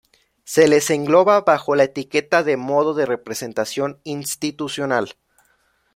Se les engloba bajo la etiqueta de Modo de representación institucional.